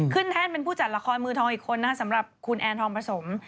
ขึ้นแทนเป็นผู้จัดละครมือทองอีกคนสำหรับคุณแอนธรพสม